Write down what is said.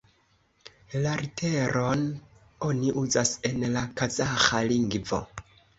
La literon oni uzas en la Kazaĥa lingvo.